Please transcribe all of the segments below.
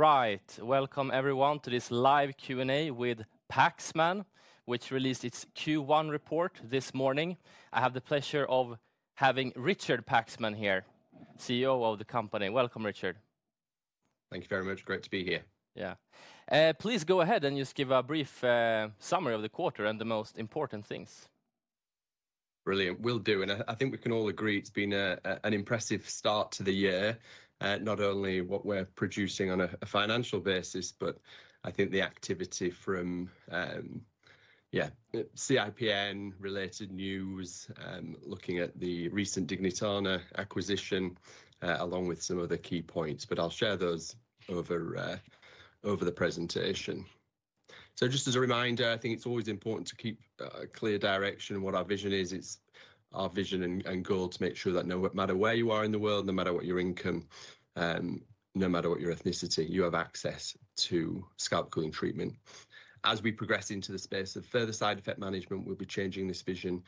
All right, welcome everyone to this live Q&A with Paxman, which released its Q1 report this morning. I have the pleasure of having Richard Paxman here, CEO of the company. Welcome, Richard. Thank you very much. Great to be here. Yeah. Please go ahead and just give a brief summary of the quarter and the most important things. Brilliant. Will do. I think we can all agree it's been an impressive start to the year, not only what we're producing on a financial basis, but I think the activity from, yeah, CIPN-related news, looking at the recent Dignitana acquisition, along with some other key points. I'll share those over the presentation. Just as a reminder, I think it's always important to keep a clear direction and what our vision is. It's our vision and goal to make sure that no matter where you are in the world, no matter what your income, no matter what your ethnicity, you have access to scalp cooling treatment. As we progress into the space of further side effect management, we'll be changing this vision,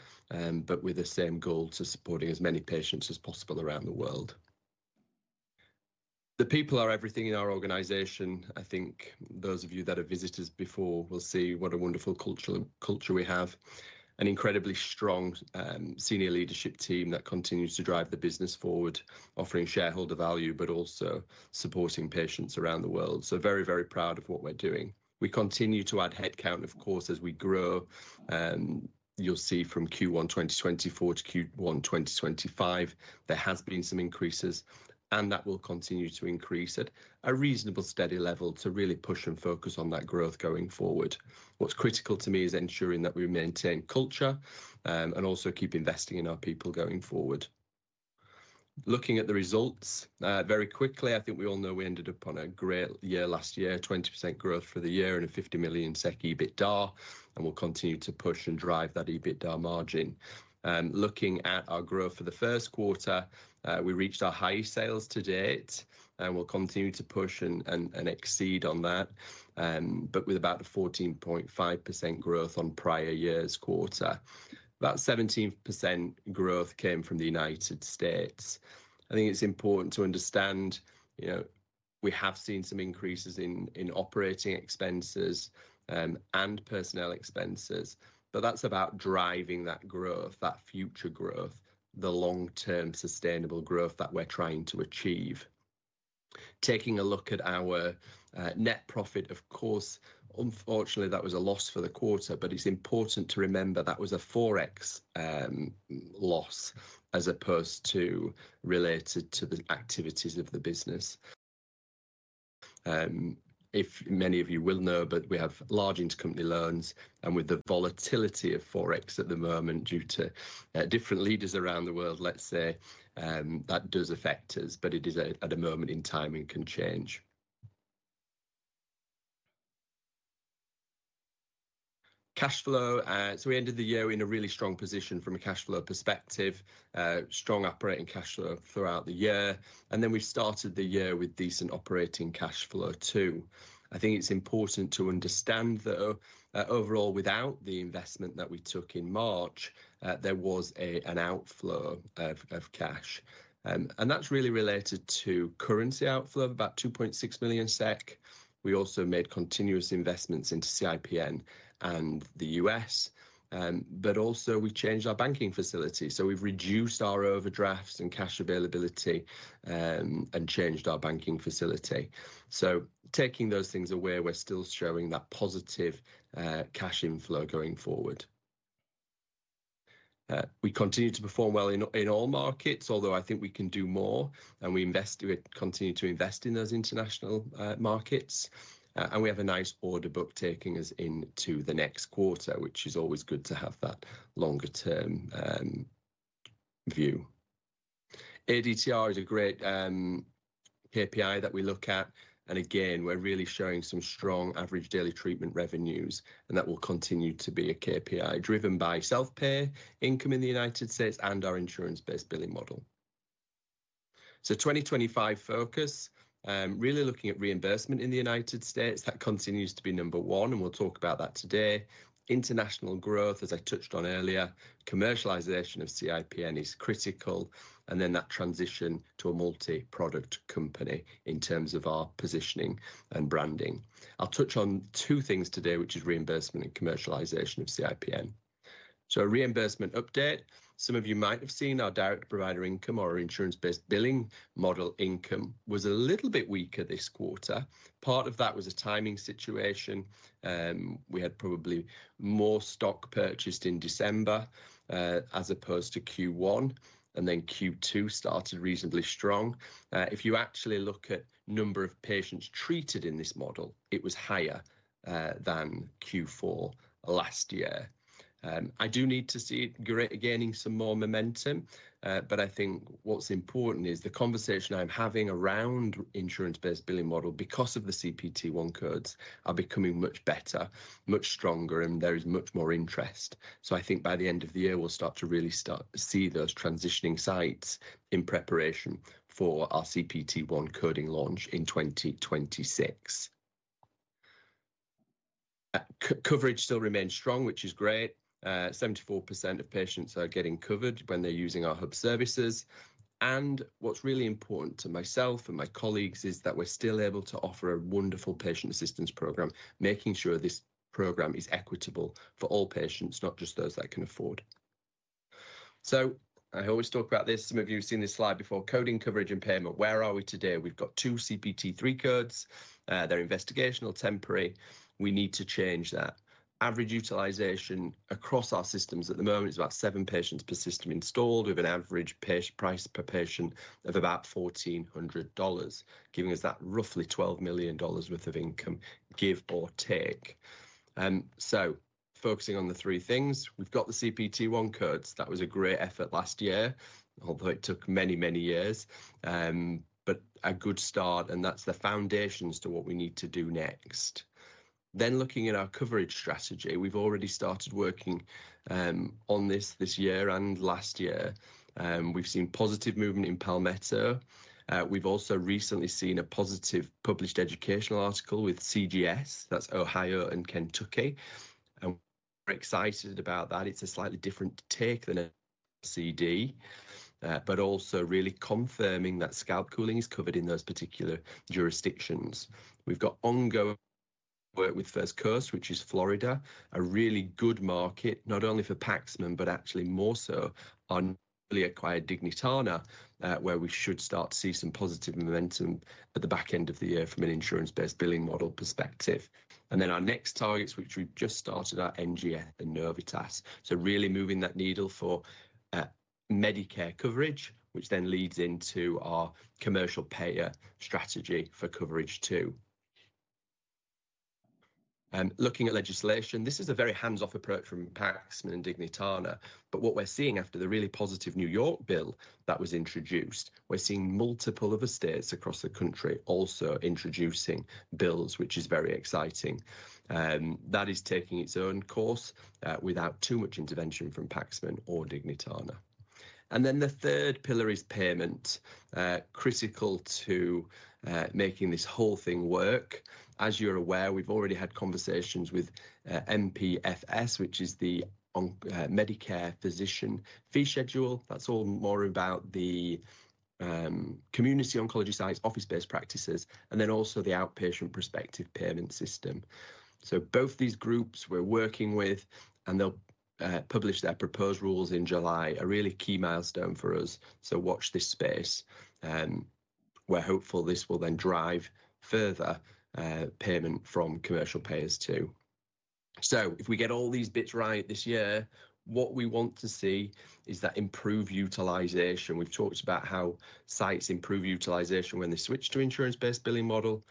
but with the same goal to supporting as many patients as possible around the world. The people are everything in our organisation. I think those of you that are visitors before will see what a wonderful culture we have, an incredibly strong senior leadership team that continues to drive the business forward, offering shareholder value, but also supporting patients around the world. Very, very proud of what we're doing. We continue to add headcount, of course, as we grow. You'll see from Q1 2024 to Q1 2025, there has been some increases, and that will continue to increase at a reasonable steady level to really push and focus on that growth going forward. What's critical to me is ensuring that we maintain culture and also keep investing in our people going forward. Looking at the results very quickly, I think we all know we ended up on a great year last year, 20% growth for the year and a 50 million SEK EBITDA, and we'll continue to push and drive that EBITDA margin. Looking at our growth for the first quarter, we reached our high sales to date, and we'll continue to push and exceed on that, but with about a 14.5% growth on prior year's quarter. About 17% growth came from the United States. I think it's important to understand, you know, we have seen some increases in operating expenses and personnel expenses, but that's about driving that growth, that future growth, the long-term sustainable growth that we're trying to achieve. Taking a look at our net profit, of course, unfortunately, that was a loss for the quarter, but it's important to remember that was a forex loss as opposed to related to the activities of the business. Many of you will know, but we have large intercompany loans, and with the volatility of forex at the moment due to different leaders around the world, let's say, that does affect us, but it is at a moment in time and can change. Cash flow. We ended the year in a really strong position from a cash flow perspective, strong operating cash flow throughout the year, and then we started the year with decent operating cash flow too. I think it's important to understand, though, overall, without the investment that we took in March, there was an outflow of cash, and that's really related to currency outflow of about 2.6 million SEK. We also made continuous investments into CIPN and the U.S., but also we changed our banking facility. We have reduced our overdrafts and cash availability and changed our banking facility. Taking those things away, we're still showing that positive cash inflow going forward. We continue to perform well in all markets, although I think we can do more, and we continue to invest in those international markets, and we have a nice order book taking us into the next quarter, which is always good to have that longer-term view. ADTR is a great KPI that we look at, and again, we're really showing some strong average daily treatment revenues, and that will continue to be a KPI driven by self-pay income in the United States and our insurance-based billing model. For 2025 focus, really looking at reimbursement in the United States, that continues to be number one, and we'll talk about that today. International growth, as I touched on earlier, commercialisation of CIPN is critical, and then that transition to a multi-product company in terms of our positioning and branding. I'll touch on two things today, which is reimbursement and commercialisation of CIPN. A reimbursement update. Some of you might have seen our direct provider income or our insurance-based billing model income was a little bit weaker this quarter. Part of that was a timing situation. We had probably more stock purchased in December as opposed to Q1, and then Q2 started reasonably strong. If you actually look at the number of patients treated in this model, it was higher than Q4 last year. I do need to see it gaining some more momentum, but I think what's important is the conversation I'm having around the insurance-based billing model because the CPT1 codes are becoming much better, much stronger, and there is much more interest. I think by the end of the year, we'll start to really see those transitioning sites in preparation for our CPT1 coding launch in 2026. Coverage still remains strong, which is great. 74% of patients are getting covered when they're using our hub services. What's really important to myself and my colleagues is that we're still able to offer a wonderful patient assistance program, making sure this program is equitable for all patients, not just those that can afford. I always talk about this. Some of you have seen this slide before. Coding, coverage, and payment. Where are we today? We've got two CPT3 codes. They're investigational, temporary. We need to change that. Average utilization across our systems at the moment is about seven patients per system installed with an average price per patient of about $1,400, giving us that roughly $12 million worth of income, give or take. Focusing on the three things, we've got the CPT1 codes. That was a great effort last year, although it took many, many years, but a good start, and that's the foundations to what we need to do next. Looking at our coverage strategy, we've already started working on this this year and last year. We've seen positive movement in Palmetto. We've also recently seen a positive published educational article with CGS, that's Ohio and Kentucky. We're excited about that. It's a slightly different take than a CD, but also really confirming that scalp cooling is covered in those particular jurisdictions. We've got ongoing work with First Coast, which is Florida, a really good market, not only for Paxman, but actually more so on newly acquired Dignitana, where we should start to see some positive momentum at the back end of the year from an insurance-based billing model perspective. Our next targets, which we've just started, are NGS and Novitas. Really moving that needle for Medicare coverage, which then leads into our commercial payer strategy for coverage too. Looking at legislation, this is a very hands-off approach from Paxman and Dignitana, but what we're seeing after the really positive New York bill that was introduced, we're seeing multiple other states across the country also introducing bills, which is very exciting. That is taking its own course without too much intervention from Paxman or Dignitana. The third pillar is payment, critical to making this whole thing work. As you're aware, we've already had conversations with MPFS, which is the Medicare Physician Fee Schedule. That's all more about the community oncology science office-based practices, and also the Outpatient Prospective Payment System. Both these groups we're working with, and they'll publish their proposed rules in July, a really key milestone for us. Watch this space. We're hopeful this will then drive further payment from commercial payers too. If we get all these bits right this year, what we want to see is that improved utilisation. We've talked about how sites improve utilisation when they switch to an insurance-based billing model.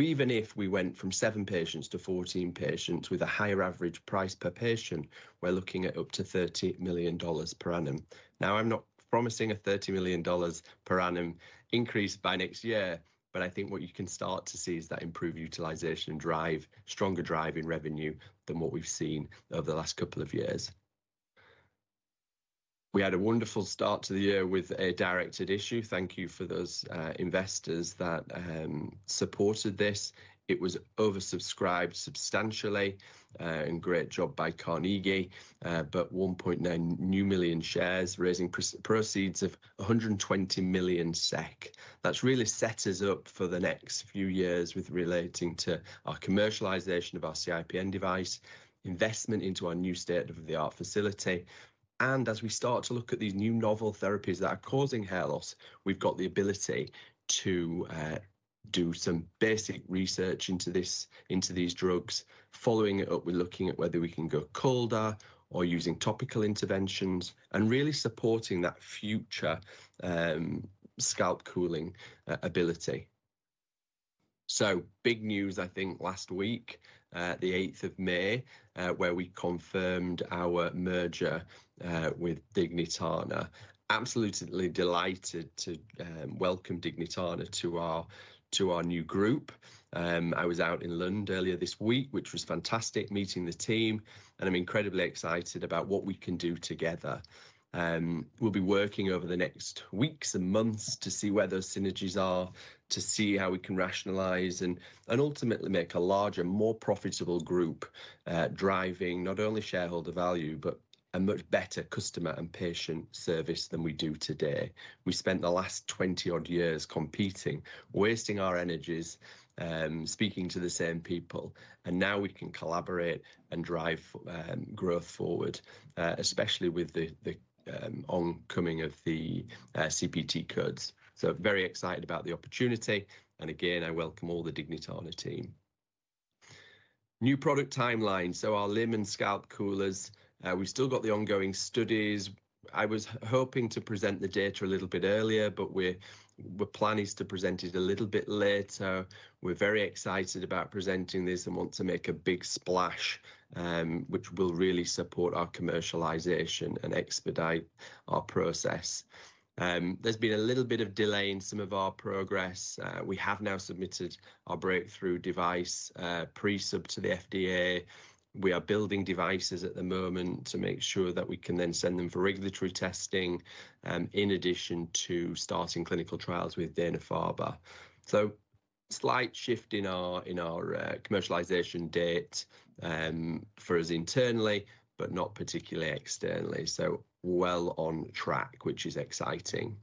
Even if we went from seven patients to 14 patients with a higher average price per patient, we're looking at up to $30 million per annum. Now, I'm not promising a $30 million per annum increase by next year, but I think what you can start to see is that improved utilisation and stronger driving revenue than what we've seen over the last couple of years. We had a wonderful start to the year with a directed issue. Thank you for those investors that supported this. It was oversubscribed substantially. Great job by Carnegie, but 1.9 million new shares raising proceeds of 120 million SEK. That's really set us up for the next few years with relating to our commercialisation of our CIPN device, investment into our new state-of-the-art facility. As we start to look at these new novel therapies that are causing hair loss, we've got the ability to do some basic research into these drugs. Following it up, we're looking at whether we can go colder or using topical interventions and really supporting that future scalp cooling ability. Big news, I think, last week, the 8th of May, where we confirmed our merger with Dignitana. Absolutely delighted to welcome Dignitana to our new group. I was out in London earlier this week, which was fantastic, meeting the team, and I'm incredibly excited about what we can do together. We'll be working over the next weeks and months to see where those synergies are, to see how we can rationalize and ultimately make a larger, more profitable group driving not only shareholder value, but a much better customer and patient service than we do today. We spent the last 20 odd years competing, wasting our energies, speaking to the same people, and now we can collaborate and drive growth forward, especially with the oncoming of the CPT codes. Very excited about the opportunity. Again, I welcome all the Dignitana team. New product timeline. Our limb and scalp coolers, we've still got the ongoing studies. I was hoping to present the data a little bit earlier, but we're planning to present it a little bit later. We're very excited about presenting this and want to make a big splash, which will really support our commercialisation and expedite our process. There's been a little bit of delay in some of our progress. We have now submitted our breakthrough device pre-sub to the FDA. We are building devices at the moment to make sure that we can then send them for regulatory testing in addition to starting clinical trials with Dana-Farber. A slight shift in our commercialisation date for us internally, but not particularly externally. We are well on track, which is exciting.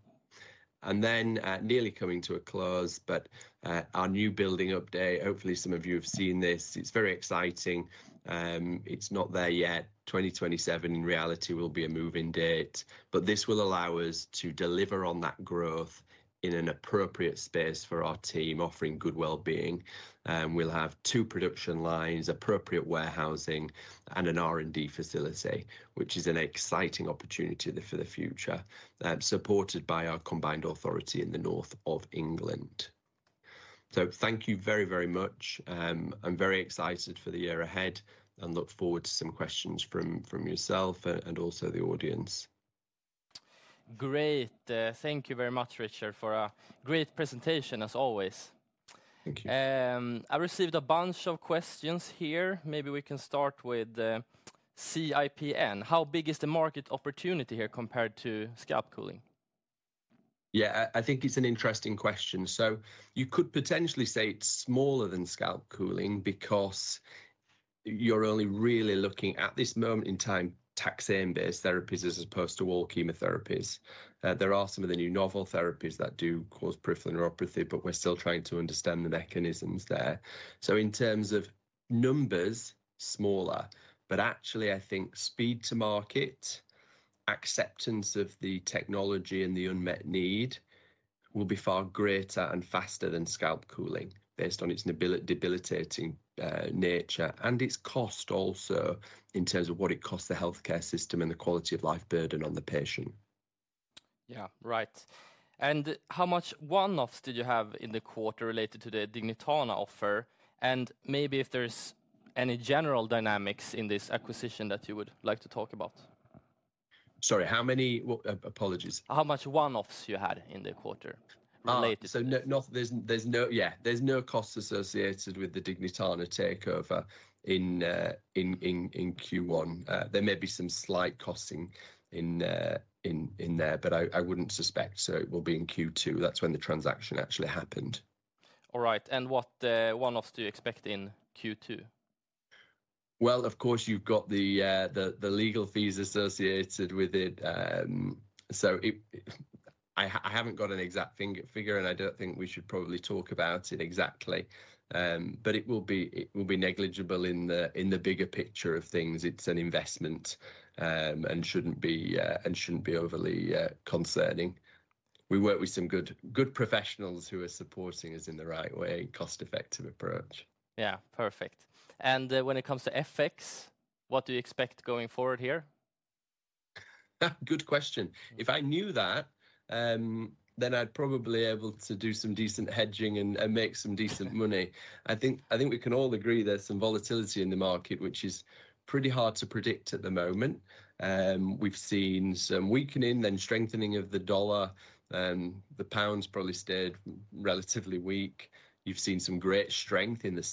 Nearly coming to a close, but our new building update, hopefully some of you have seen this. It's very exciting. It's not there yet. 2027, in reality, will be a moving date, but this will allow us to deliver on that growth in an appropriate space for our team, offering good well-being. We'll have two production lines, appropriate warehousing, and an R&D facility, which is an exciting opportunity for the future, supported by our combined authority in the north of England. Thank you very, very much. I'm very excited for the year ahead and look forward to some questions from yourself and also the audience. Great. Thank you very much, Richard, for a great presentation as always. Thank you. I received a bunch of questions here. Maybe we can start with CIPN. How big is the market opportunity here compared to scalp cooling? Yeah, I think it's an interesting question. You could potentially say it's smaller than scalp cooling because you're only really looking at this moment in time at taxane-based therapies as opposed to all chemotherapies. There are some of the new novel therapies that do cause peripheral neuropathy, but we're still trying to understand the mechanisms there. In terms of numbers, smaller, but actually, I think speed to market, acceptance of the technology, and the unmet need will be far greater and faster than scalp cooling based on its debilitating nature and its cost also in terms of what it costs the healthcare system and the quality of life burden on the patient. Yeah, right. And how much one-offs did you have in the quarter related to the Dignitana offer? And maybe if there's any general dynamics in this acquisition that you would like to talk about. Sorry, how many? Apologies. How much one-offs you had in the quarter? There is no, yeah, there is no costs associated with the Dignitana takeover in Q1. There may be some slight costing in there, but I would not suspect so it will be in Q2. That is when the transaction actually happened. All right. What one-offs do you expect in Q2? Of course, you've got the legal fees associated with it. I haven't got an exact figure, and I don't think we should probably talk about it exactly. It will be negligible in the bigger picture of things. It's an investment and shouldn't be overly concerning. We work with some good professionals who are supporting us in the right way, cost-effective approach. Yeah, perfect. When it comes to FX, what do you expect going forward here? Good question. If I knew that, then I'd probably be able to do some decent hedging and make some decent money. I think we can all agree there's some volatility in the market, which is pretty hard to predict at the moment. We've seen some weakening, then strengthening of the dollar. The pound's probably stayed relatively weak. You've seen some great strength in the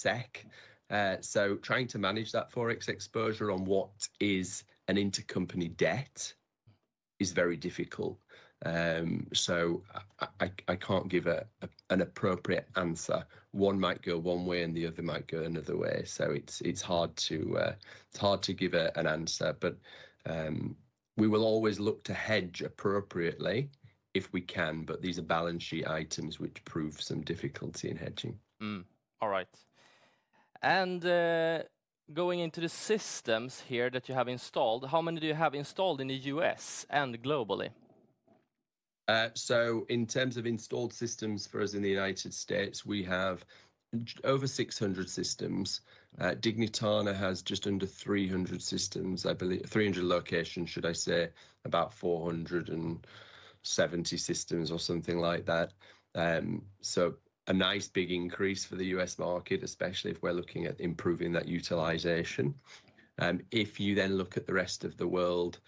SEK. Trying to manage that forex exposure on what is an intercompany debt is very difficult. I can't give an appropriate answer. One might go one way and the other might go another way. It's hard to give an answer, but we will always look to hedge appropriately if we can, but these are balance sheet items which prove some difficulty in hedging. All right. Going into the systems here that you have installed, how many do you have installed in the U.S. and globally? In terms of installed systems for us in the United States, we have over 600 systems. Dignitana has just under 300 systems, I believe. Three hundred locations, should I say, about 470 systems or something like that. A nice big increase for the U.S. market, especially if we're looking at improving that utilisation. If you then look at the rest of the world,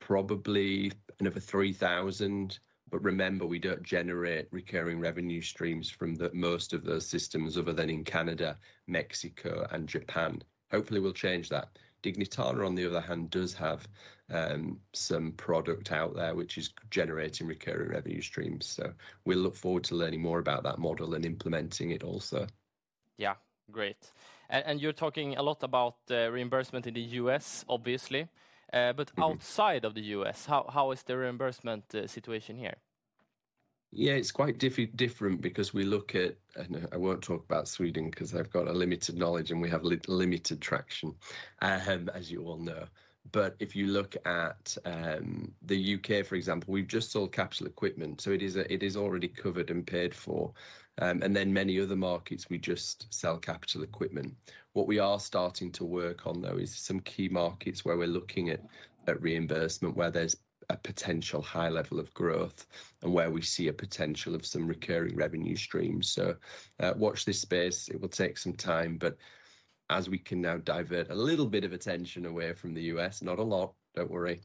probably another 3,000, but remember, we don't generate recurring revenue streams from most of those systems other than in Canada, Mexico, and Japan. Hopefully, we'll change that. Dignitana, on the other hand, does have some product out there which is generating recurring revenue streams. We'll look forward to learning more about that model and implementing it also. Yeah, great. You're talking a lot about reimbursement in the U.S., obviously, but outside of the U.S., how is the reimbursement situation here? Yeah, it's quite different because we look at, and I won't talk about Sweden because I've got a limited knowledge and we have limited traction, as you all know. If you look at the U.K., for example, we've just sold capital equipment, so it is already covered and paid for. And then many other markets, we just sell capital equipment. What we are starting to work on, though, is some key markets where we're looking at reimbursement, where there's a potential high level of growth and where we see a potential of some recurring revenue streams. Watch this space. It will take some time, but as we can now divert a little bit of attention away from the U.S., not a lot, don't worry,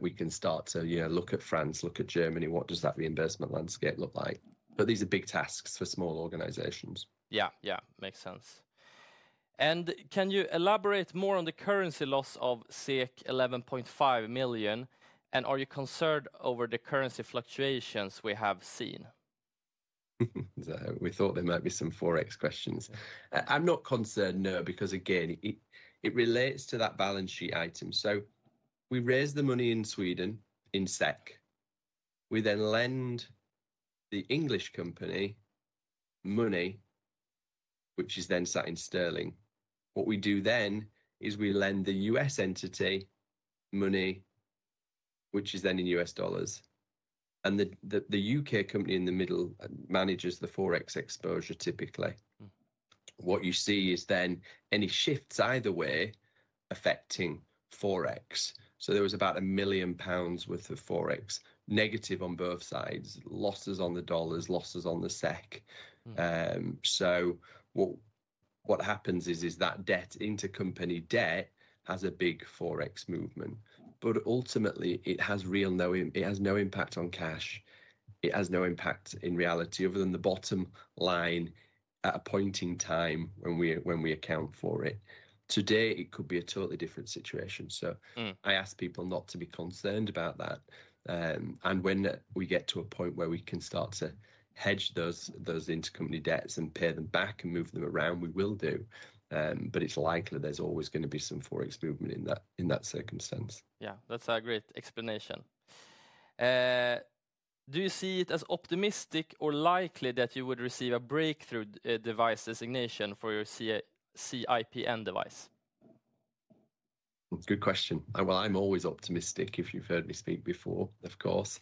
we can start to look at France, look at Germany, what does that reimbursement landscape look like? These are big tasks for small organizations. Yeah, yeah, makes sense. Can you elaborate more on the currency loss of 11.5 million? Are you concerned over the currency fluctuations we have seen? We thought there might be some forex questions. I'm not concerned, no, because again, it relates to that balance sheet item. We raise the money in Sweden in SEK. We then lend the English company money, which is then sat in sterling. What we do then is we lend the U.S. entity money, which is then in U.S. dollars. The U.K. company in the middle manages the forex exposure typically. What you see is then any shifts either way affecting forex. There was about 1 million pounds worth of forex negative on both sides, losses on the dollars, losses on the SEK. What happens is that debt, intercompany debt, has a big forex movement. Ultimately, it has no impact on cash. It has no impact in reality other than the bottom line at a point in time when we account for it. Today, it could be a totally different situation. I ask people not to be concerned about that. When we get to a point where we can start to hedge those intercompany debts and pay them back and move them around, we will do. It is likely there is always going to be some forex movement in that circumstance. Yeah, that's a great explanation. Do you see it as optimistic or likely that you would receive a breakthrough device designation for your CIPN device? Good question. I am always optimistic if you've heard me speak before, of course.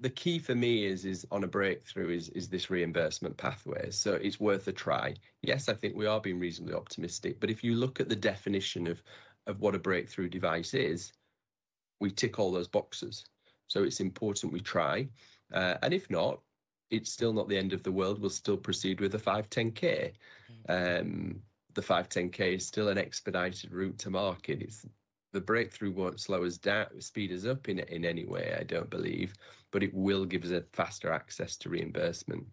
The key for me is on a breakthrough is this reimbursement pathway. It is worth a try. Yes, I think we are being reasonably optimistic. If you look at the definition of what a breakthrough device is, we tick all those boxes. It is important we try. If not, it is still not the end of the world. We will still proceed with a 510(k). The 510(k) is still an expedited route to market. The breakthrough will not slow us down, speed us up in any way, I do not believe, but it will give us faster access to reimbursement.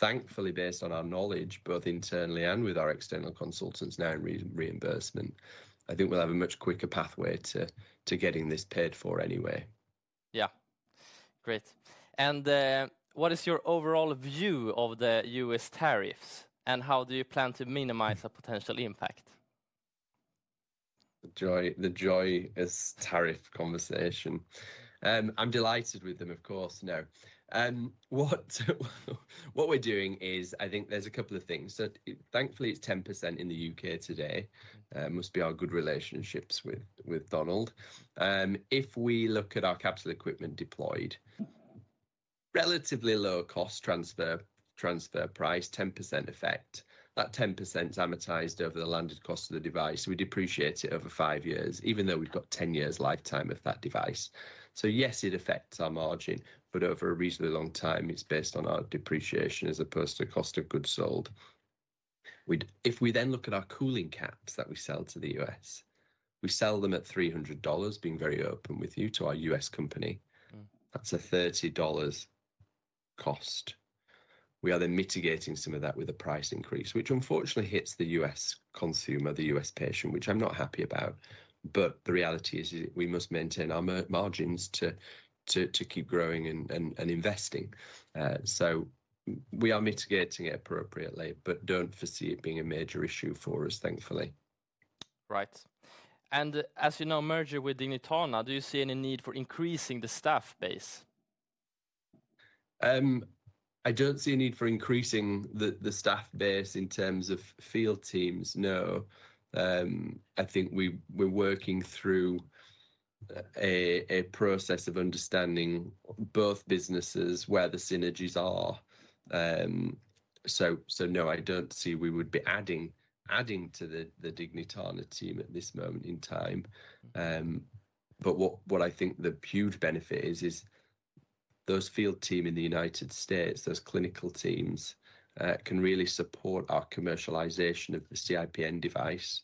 Thankfully, based on our knowledge, both internally and with our external consultants now in reimbursement, I think we will have a much quicker pathway to getting this paid for anyway. Yeah, great. What is your overall view of the U.S. tariffs? How do you plan to minimize a potential impact? The joy is tariff conversation. I am delighted with them, of course, now. What we are doing is, I think there are a couple of things. Thankfully, it is 10% in the U.K. today. Must be our good relationships with Donald. If we look at our capital equipment deployed, relatively low cost transfer price, 10% effect. That 10% is amortized over the landed cost of the device. We depreciate it over five years, even though we've got 10 years lifetime of that device. Yes, it affects our margin, but over a reasonably long time, it's based on our depreciation as opposed to cost of goods sold. If we then look at our cooling caps that we sell to the U.S., we sell them at $300, being very open with you, to our U.S. company. That's a $30 cost. We are then mitigating some of that with a price increase, which unfortunately hits the U.S... consumer, the U.S. patient, which I'm not happy about. The reality is we must maintain our margins to keep growing and investing. We are mitigating it appropriately, but don't foresee it being a major issue for us, thankfully. Right. As you know, merger with Dignitana, do you see any need for increasing the staff base? I don't see a need for increasing the staff base in terms of field teams, no. I think we're working through a process of understanding both businesses, where the synergies are. No, I don't see we would be adding to the Dignitana team at this moment in time. What I think the huge benefit is, is those field teams in the United States, those clinical teams, can really support our commercialisation of the CIPN device.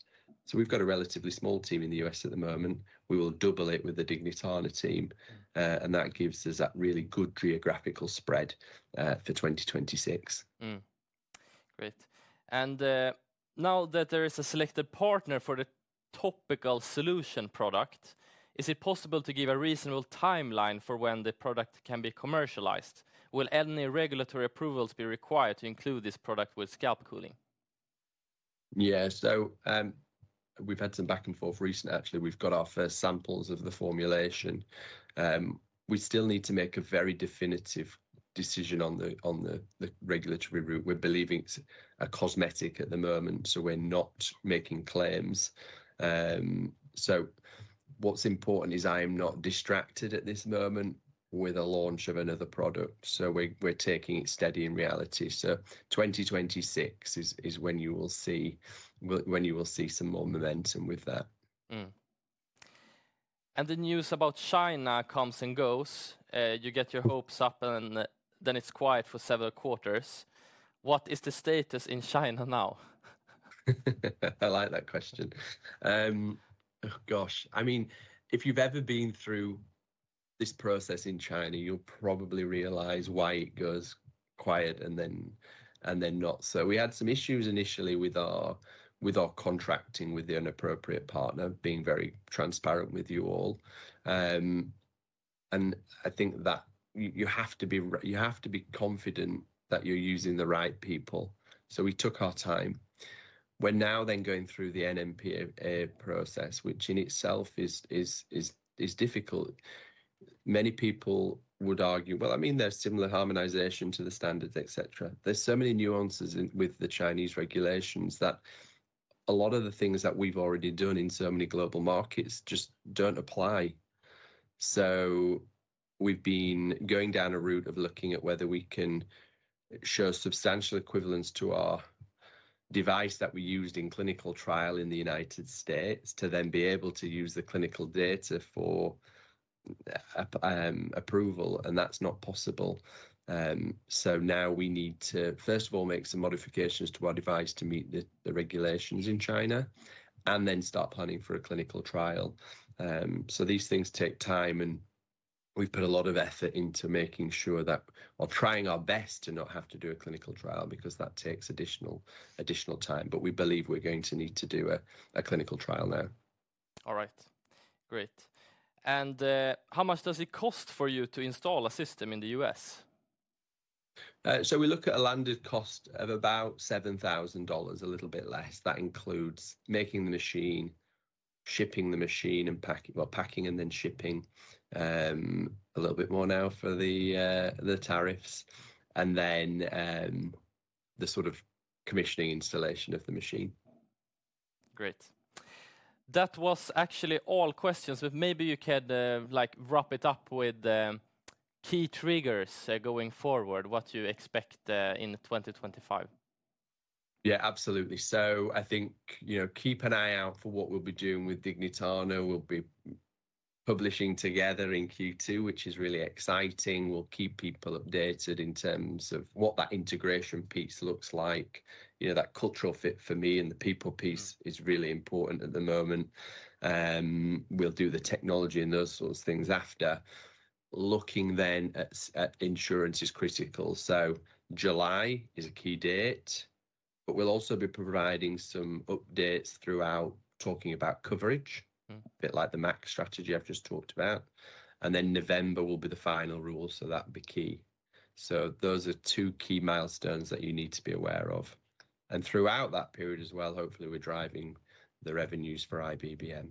We've got a relatively small team in the US at the moment. We will double it with the Dignitana team. That gives us that really good geographical spread for 2026. Great. Now that there is a selected partner for the topical solution product, is it possible to give a reasonable timeline for when the product can be commercialised? Will any regulatory approvals be required to include this product with scalp cooling? Yeah, so we've had some back and forth recently, actually. We've got our first samples of the formulation. We still need to make a very definitive decision on the regulatory route. We're believing it's a cosmetic at the moment, so we're not making claims. What's important is I am not distracted at this moment with a launch of another product. We're taking it steady in reality. 2026 is when you will see some more momentum with that. The news about China comes and goes. You get your hopes up, and then it's quiet for several quarters. What is the status in China now? I like that question. Gosh, I mean, if you've ever been through this process in China, you'll probably realize why it goes quiet and then not. We had some issues initially with our contracting with the inappropriate partner, being very transparent with you all. I think that you have to be confident that you're using the right people. We took our time. We're now then going through the NMPA process, which in itself is difficult. Many people would argue, I mean, there's similar harmonisation to the standards, etc. There's so many nuances with the Chinese regulations that a lot of the things that we've already done in so many global markets just don't apply. We've been going down a route of looking at whether we can show substantial equivalence to our device that we used in clinical trial in the United States to then be able to use the clinical data for approval. That's not possible. Now we need to, first of all, make some modifications to our device to meet the regulations in China and then start planning for a clinical trial. These things take time, and we've put a lot of effort into making sure that we're trying our best to not have to do a clinical trial because that takes additional time. We believe we're going to need to do a clinical trial now. All right. Great. How much does it cost for you to install a system in the U.S.? We look at a landed cost of about $7,000, a little bit less. That includes making the machine, shipping the machine, and packing, packing and then shipping a little bit more now for the tariffs, and then the sort of commissioning installation of the machine. Great. That was actually all questions, but maybe you could wrap it up with key triggers going forward, what you expect in 2025. Yeah, absolutely. So I think keep an eye out for what we'll be doing with Dignitana. We'll be publishing together in Q2, which is really exciting. We'll keep people updated in terms of what that integration piece looks like. That cultural fit for me and the people piece is really important at the moment. We'll do the technology and those sort of things after. Looking then at insurance is critical. July is a key date, but we'll also be providing some updates throughout talking about coverage, a bit like the MAC strategy I've just talked about. November will be the final rule, so that would be key. Those are two key milestones that you need to be aware of. Throughout that period as well, hopefully, we're driving the revenues for IBBM.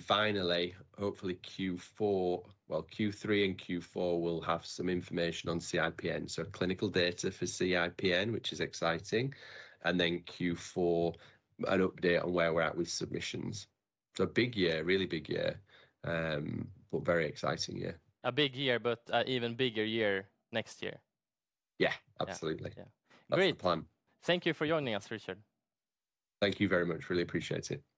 Finally, hopefully, Q3 and Q4, we'll have some information on CIPN, so clinical data for CIPN, which is exciting. Q4, an update on where we're at with submissions. Big year, really big year, but very exciting year. A big year, but even bigger year next year. Yeah, absolutely. That's the plan. Thank you for joining us, Richard. Thank you very much. Really appreciate it.